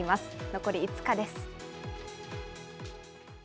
残り５日です。